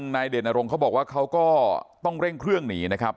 มีดที่บอกว่าเขาก็ต้องเร่งเครื่องหนีนะครับ